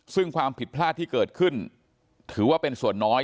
ซึ่งความผิดพลาดที่เกิดขึ้นถือว่าเป็นส่วนน้อย